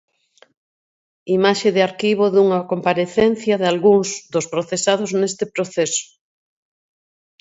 Imaxe de arquivo dunha comparecencia dalgúns dos procesados neste proceso.